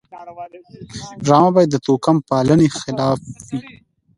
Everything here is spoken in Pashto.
ډرامه باید د توکم پالنې خلاف وي